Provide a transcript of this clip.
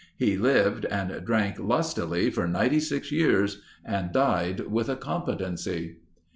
He lived and drank lustily for 96 years and died with a competency.